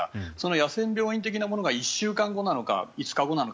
野戦病院的なものが１週間後なのか５日後なのか